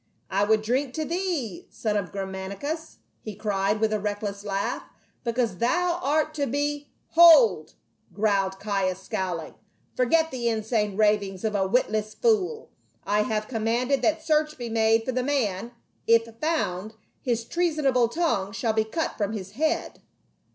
" I would drink to thee, son of Germanicus," he cried, with a reckless laugh, " because thou art to be—" " Hold !" growled Caius, scowling. " Forget the insane ravings of a witless fool. I have commanded that search be made for the man ; if found, his treason able tongue shall be cut from his head."